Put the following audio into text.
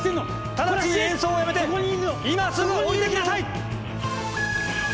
ただちに演奏をやめて今すぐおりてきなさい！